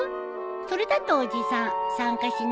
それだとおじさん参加しないんじゃない？